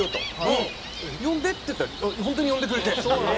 「呼んで」って言ったら本当に呼んでくれて。